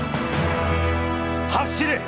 走れ！